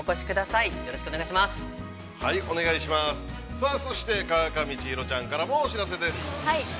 さあ、そして川上千尋ちゃんからもお知らせです。